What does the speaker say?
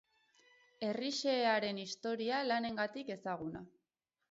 Herri xehearen historia lanengatik ezaguna.